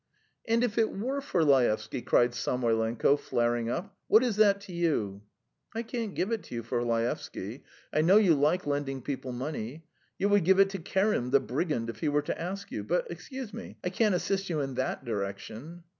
"And if it were for Laevsky," cried Samoylenko, flaring up, "what is that to you?" "I can't give it to you for Laevsky. I know you like lending people money. You would give it to Kerim, the brigand, if he were to ask you; but, excuse me, I can't assist you in that direction."